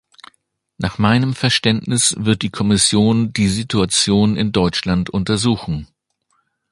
Nach meinem Verständnis wird die Kommission die Situation in Deutschland untersuchen.